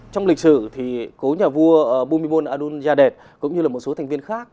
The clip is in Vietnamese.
trong lịch sử thì có nhà vua bumibol adun yadet cũng như là một số thành viên khác